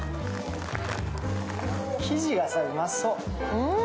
生地がうまそう。